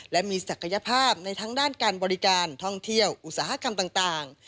และมีศักยภาพในทั้งด้านการบริการท่องเที่ยวอุตสาหกรรมต่าง